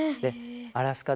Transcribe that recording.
アラスカでもね